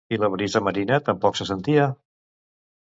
I la brisa marina, tampoc se sentia?